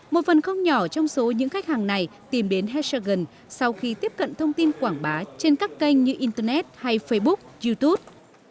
một phần không nhỏ trong số những khách hàng này tìm đến hestergan sau khi tiếp cận thông tin quảng bá trên các kênh như internet hay facebook youtube